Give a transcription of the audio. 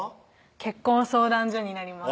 結婚相談所になります